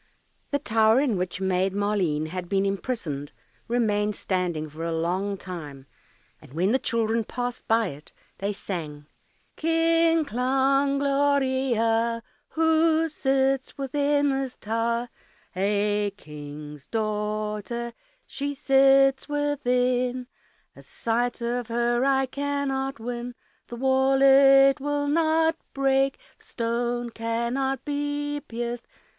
The tower in which Maid Maleen had been imprisoned remained standing for a long time, and when the children passed by it they sang, "Kling, klang, gloria. Who sits within this tower? A King's daughter, she sits within, A sight of her I cannot win, The wall it will not break, The stone cannot be pierced.